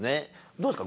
どうですか？